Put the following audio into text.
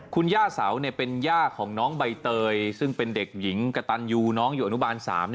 คุณย่าเสาเป็นย่าของน้องใบเตยซึ่งเป็นเด็กหญิงกระตันยูน้องอยู่อนุบาล๓